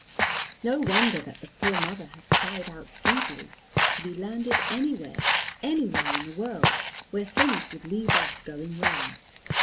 No wonder that the poor mother had cried out feebly, to be landed anywhere, anywhere in the world, where things would leave off going round.